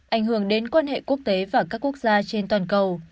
ảnh hưởng đến quan hệ quốc tế và các quốc gia trên toàn cầu